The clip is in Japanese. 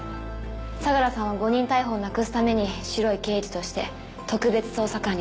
相良さんは誤認逮捕をなくすために白い刑事として特別捜査官になりました。